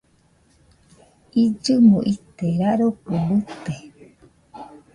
Illɨmo ite rarokɨ bɨte